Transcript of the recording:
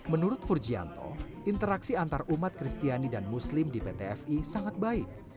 menurut furgianto interaksi antar umat kristiani dan muslim di pt fi sangat baik